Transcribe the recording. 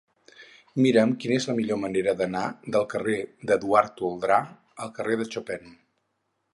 Mira'm quina és la millor manera d'anar del carrer d'Eduard Toldrà al carrer de Chopin.